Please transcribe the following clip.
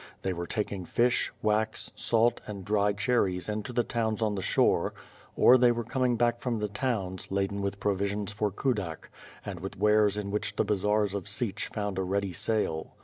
They were taking fish, wax, salt, and dry cherries into the towns on the shore, or they were coming back from the towns, laden with provisions for Kudak, and with wares which in the bazaars in Hich found a ready sale.